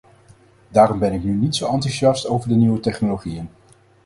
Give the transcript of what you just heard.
Daarom ben ik niet zo enthousiast over de nieuwe technologieën.